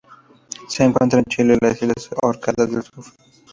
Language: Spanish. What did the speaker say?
Se encuentra en Chile e Islas Orcadas del Sur.